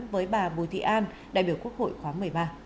với bà bùi thị an đại biểu quốc hội khóa một mươi ba